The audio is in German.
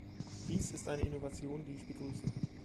Dies ist eine Innovation, die ich begrüße.